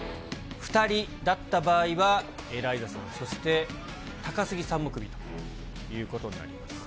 ２人だった場合は、エライザさん、そして高杉さんもクビということになります。